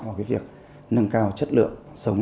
vào việc nâng cao chất lượng sống